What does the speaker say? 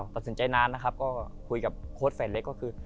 ตัดสินใจนานนะครับก็คุยกับโค้ดแฟนเล็กก็คือ